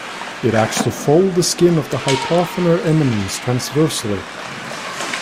It acts to fold the skin of the hypothenar eminence transversally.